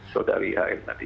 saudari hm tadi